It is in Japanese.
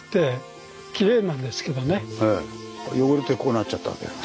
汚れてこうなっちゃったわけですね。